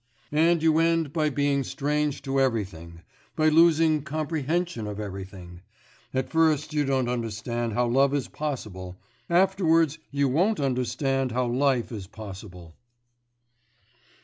And you end by being strange to everything, by losing comprehension of everything. At first you don't understand how love is possible; afterwards one won't understand how life is possible.